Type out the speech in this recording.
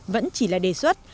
vẫn chỉ là đề xuất